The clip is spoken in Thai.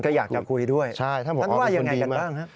ท่านก็อยากกับครูอีวด้วยท่านว่ายังไงกันตั้งครับใช่ท่านพอออกเป็นคนดีมาก